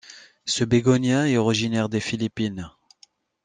Ce bégonia est originaire des Philippines.